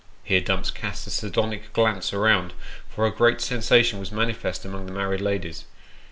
(Here Dumps cast a sardonic glance around, for a great sensation was manifest among the married ladies.)